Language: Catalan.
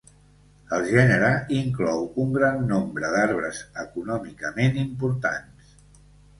El gènere inclou un gran nombre d'arbres econòmicament importants.